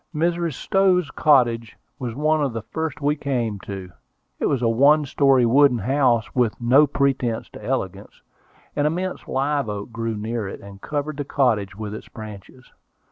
Mrs. Stowe's cottage was one of the first we came to. It was a one story, wooden house, with no pretensions to elegance. An immense live oak grew near it, and covered the cottage with its branches.